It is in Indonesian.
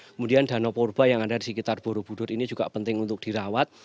kemudian danau purba yang ada di sekitar borobudur ini juga penting untuk dirawat